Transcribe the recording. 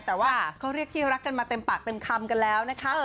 แต่ว่าเขาเรียกที่รักกันมาเต็มปากเต็มคำกันแล้วนะคะ